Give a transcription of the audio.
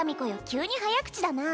急に早口だな